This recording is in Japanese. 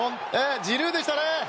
ジルーでしたね！